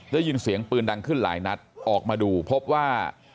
ได้ยินเสียงปืนดังขึ้นหลายนัดออกมาดูพบว่า